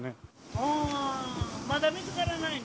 あー、まだ見つからないの？